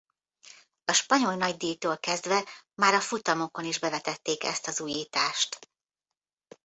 A Spanyol Nagydíjtól kezdve már a futamokon is bevetették ezt az újítást.